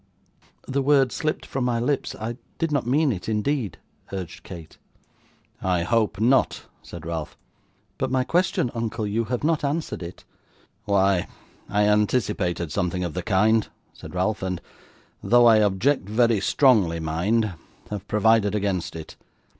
'The word slipped from my lips, I did not mean it indeed,' urged Kate. 'I hope not,' said Ralph. 'But my question, uncle; you have not answered it.' 'Why, I anticipated something of the kind,' said Ralph; 'and though I object very strongly, mind have provided against it.